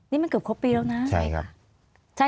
นี่มันเกือบครบปีแล้วนะ